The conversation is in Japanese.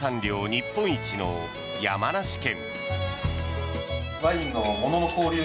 日本一の山梨県。